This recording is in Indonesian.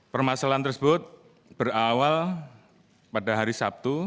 permasalahan tersebut berawal pada hari sabtu